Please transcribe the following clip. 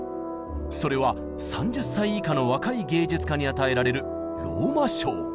それは３０歳以下の若い芸術家に与えられる「ローマ賞」。